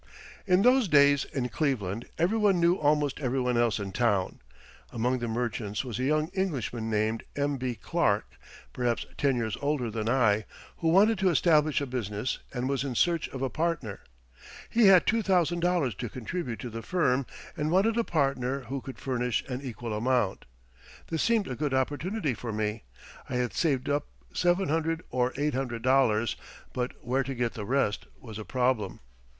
In those days, in Cleveland, everyone knew almost everyone else in town. Among the merchants was a young Englishman named M.B. Clark, perhaps ten years older than I, who wanted to establish a business and was in search of a partner. He had $2,000 to contribute to the firm, and wanted a partner who could furnish an equal amount. This seemed a good opportunity for me. I had saved up $700 or $800, but where to get the rest was a problem.